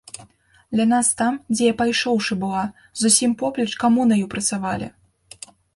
Ля нас там, дзе я пайшоўшы была, зусім поплеч камунаю працавалі.